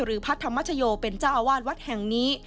พระธรรมชโยเป็นเจ้าอาวาสวัดแห่งนี้